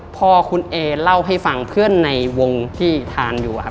พอคุณเอเล่าให้ฟังเพื่อนในวงที่ทานอยู่อะครับ